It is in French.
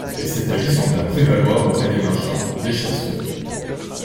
Et cet avis sembla prévaloir auprès des marchands, des chasseurs.